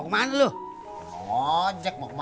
kalau laik kagak ngomel